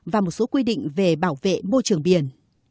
và một số quy định về bảo vệ môi trường biển